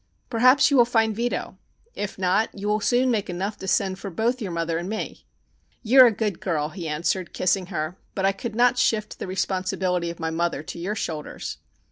Perhaps you will find Vito. If not you will soon make enough to send for both your mother and me." "You are a good girl," he answered, kissing her, "but I could not shift the responsibility of my mother to your shoulders.